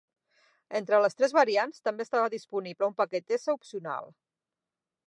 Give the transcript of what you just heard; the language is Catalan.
Entre les tres variants, també està disponible un paquet S opcional.